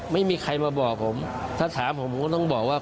ไม่มีใครมาบอกผมถ้าถามผมผมก็ต้องบอกว่า